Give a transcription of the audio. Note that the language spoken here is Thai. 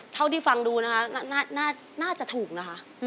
เท่าที่ฟังดูนะคะน่าจะถูกนะคะ